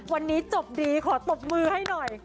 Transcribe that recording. วันนี้จบดีขอตบมือให้หน่อย